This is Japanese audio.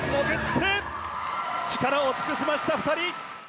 力を尽くしました２人！